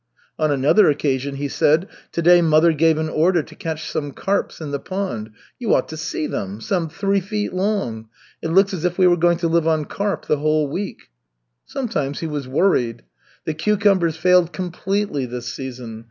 On another occasion, he said: "To day mother gave an order to catch some carps in the pond. You ought to see them! Some three feet long! It looks as if we were going to live on carp the whole week." Sometimes he was worried. "The cucumbers failed completely this season.